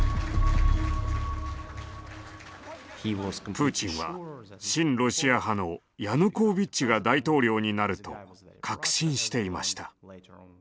プーチンは親ロシア派のヤヌコービッチが大統領になると確信していました。